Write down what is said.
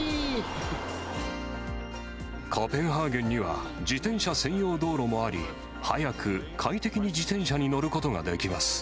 コペンハーゲンには自転車専用道路もあり、速く快適に自転車に乗ることができます。